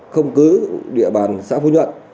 không cứ địa bàn xã phú nhuận